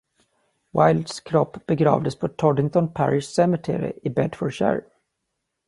Wilds kropp begravdes på Toddington Parish Cemetery i Bedfordshire.